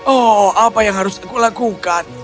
oh apa yang harus aku lakukan